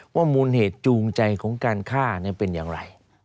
มูลเหตุจูงใจของการฆ่าเป็นอย่างไร